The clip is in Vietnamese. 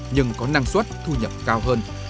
nhưng có năng suất thu nhập cao hơn